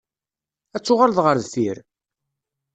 Ad tuɣaleḍ ɣer deffir?